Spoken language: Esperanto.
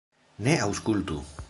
Ne aŭskultu!